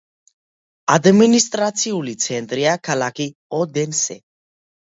ადმინისტრაციული ცენტრია ქალაქი ოდენსე.